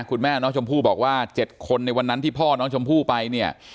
คุณแม่น้องชมพู่บอกว่า๗คนในวันนั้นที่พ่อน้องชมพู่ไปเนี่ย